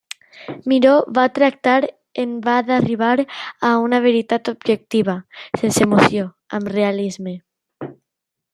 Miró va tractar en va d'arribar a una veritat objectiva, sense emoció, amb realisme.